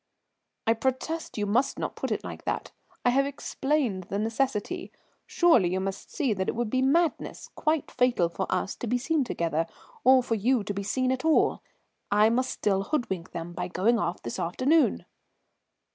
"I protest, you must not put it like that. I have explained the necessity. Surely you must see that it would be madness, quite fatal for us, to be seen together, or for you to be seen at all. I must still hoodwink them by going off this afternoon."